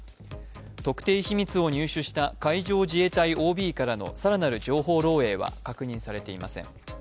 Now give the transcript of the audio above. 特定秘密を入手した海上自衛隊ＯＢからの更なる情報漏えいは確認されていません。